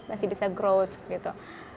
masih bisa growth gitu